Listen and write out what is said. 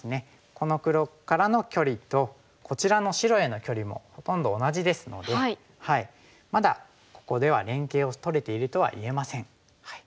この黒からの距離とこちらの白への距離もほとんど同じですのでまだここでは連携をとれているとは言えません。